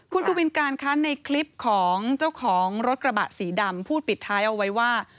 คุณกวินการคะในคลิปของเจ้าของรถกระบะสีดำพูดปิดท้ายเอาไว้ว่า